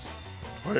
はい。